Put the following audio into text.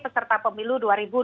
peserta pemilu dua ribu dua puluh